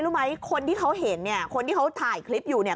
รู้ไหมคนที่เขาเห็นเนี่ยคนที่เขาถ่ายคลิปอยู่เนี่ย